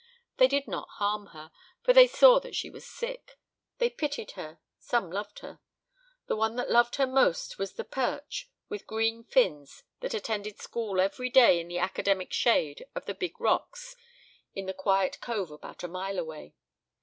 They did not harm her, for they saw that she was sick; they pitied her some loved her. The one that loved her most was the perch with green fins that attended school every day in the academic shade of the big rocks in the quiet cove about a mile away.